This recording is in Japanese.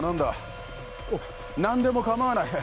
何でも構わない。